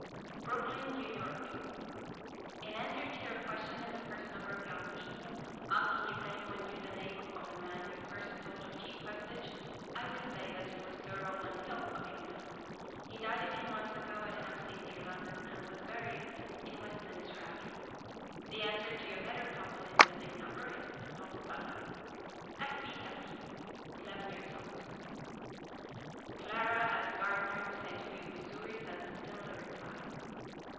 BROOKLYN, NEW YORK. In answer to your question in the first number of Young People, asking if any one knew the name of the man who first thought of cheap postage, I would say that it was Sir Rowland Hill, of England. He died a few months ago at Hampstead, near London, and was buried in Westminster Abbey. The answer to your letter puzzle in the same number is "Longfellow." F. B. HESSE (11 years old). Clara S. Gardiner, St. Louis, Missouri, sends a similar reply.